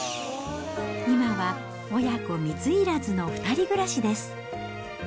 今は親子水入らずの２人暮らしです。